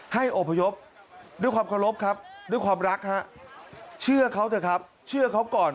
อบพยพด้วยความเคารพครับด้วยความรักฮะเชื่อเขาเถอะครับเชื่อเขาก่อน